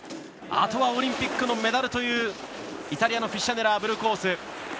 あとはオリンピックのメダルというイタリアのフィッシャネラーブルーコース。